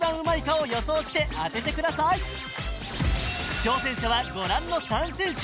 挑戦者はご覧の３選手